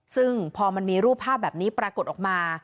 ซึ่งพอมันมีรูปภาพแบบนี้ปรากฏออกมา